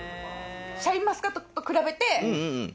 シャインマスカットと比べて。